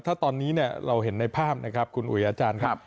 ถ้าตอนนี้เนี่ยเราเห็นในภาพนะครับคุณอุ๋ยอาจารย์ครับ